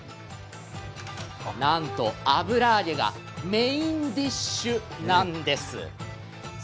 なんと油揚げがメインディッシュなんです。